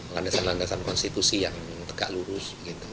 landasan landasan konstitusi yang tegak lurus